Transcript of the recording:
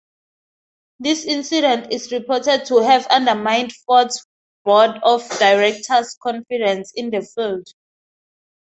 This incident is reported to have undermined Ford's board of directors' confidence in Fields.